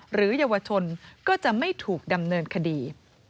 หรือเยาวชนก็จะไม่ถูกดำเนินคดี